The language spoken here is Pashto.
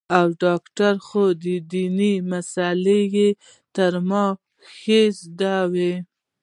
و ډاکتر خو ديني مسالې يې تر ما ښې زده وې.